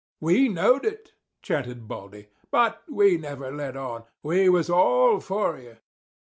"We knowed it," chanted Baldy; "but we never let on. We was all for you.